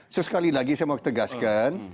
sesekali lagi saya mau tegaskan